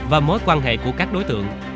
và mối quan hệ của các đối tượng